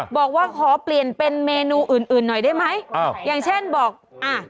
บอกว่าขอเปลี่ยนเป็นเมนูอื่นอื่นหน่อยได้ไหมอ้าวอย่างเช่นบอกอ่า